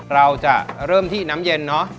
เราจะเริ่มที่น้ำเย็นเนอะ